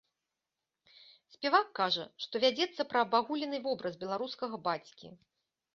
Спявак кажа што вядзецца пра абагулены вобраз беларускага бацькі.